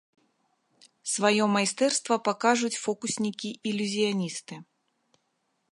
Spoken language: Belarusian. Сваё майстэрства пакажуць фокуснікі-ілюзіяністы.